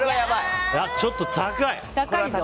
ちょっと高い！